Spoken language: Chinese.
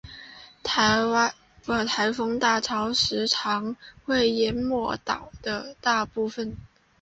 台风大潮时常会淹没岛的大部分。